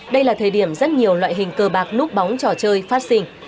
đây là thời điểm rất nhiều loại hình cờ bạc nút bóng trò chơi phát sinh